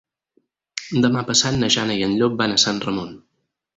Demà passat na Jana i en Llop van a Sant Ramon.